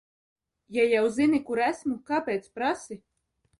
Ja jau zini, kur esmu, kāpēc prasi?